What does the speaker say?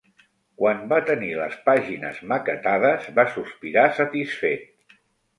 Quan va tenir les pàgines maquetades va sospirar satisfet.